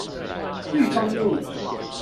裕忠路